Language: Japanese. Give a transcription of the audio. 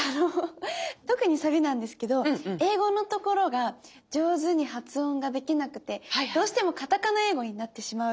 特にサビなんですけど英語のところが上手に発音ができなくてどうしてもカタカナ英語になってしまう。